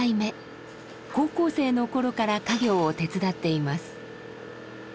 高校生の頃から家業を手伝っています。